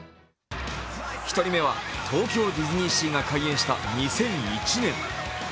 １人目は、東京ディズニーシーが開園した２００１年。